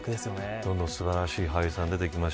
どんどん素晴らしい俳優さんが出てきました。